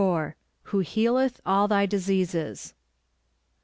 "WHO HEALETH ALL THY DISEASES."